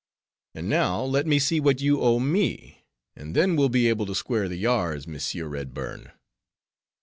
"And now let me see what you owe me, and then well be able to square the yards, Monsieur Redburn."